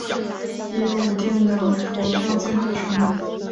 已有五殿的佛教建筑群。